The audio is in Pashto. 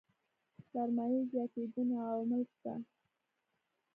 سرمايې زياتېدنې عوامل شته.